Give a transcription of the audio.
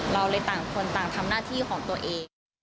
เราเลยต่างคนต่างทำหน้าที่ของตัวเอง